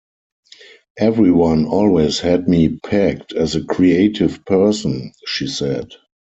"Everyone always had me pegged as a creative person," she said.